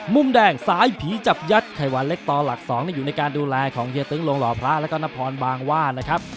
มุมแดงสายผีจับยัดไข่หวานเล็กต่อหลัก๒อยู่ในการดูแลของเฮียตึ้งลงหล่อพระแล้วก็นพรบางว่านะครับ